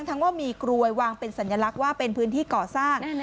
ทั้งว่ามีกลวยวางเป็นสัญลักษณ์ว่าเป็นพื้นที่ก่อสร้าง